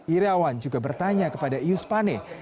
irawan juga bertanya kepada yus pane